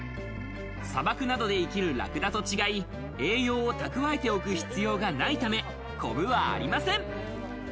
砂漠などで生きるラクダと違い、栄養を蓄えておく必要がないため、コブはありません。